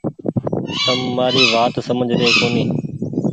تم مآري وآت سمجه ري ڪونيٚ ۔